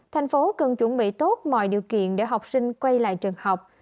tp hcm cần chuẩn bị tốt mọi điều kiện để học sinh quay lại trường học